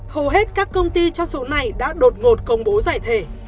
hầu hết các công ty trong số này đã đột ngột công bố giải thể